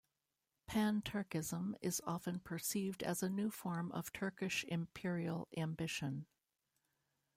Pan-Turkism is often perceived as a new form of Turkish imperial ambition.